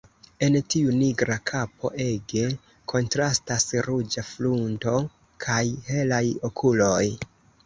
En tiu nigra kapo ege kontrastas ruĝa frunto kaj helaj okuloj.